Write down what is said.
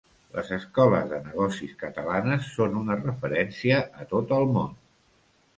Les escoles de negocis catalanes són una referència a tot el món.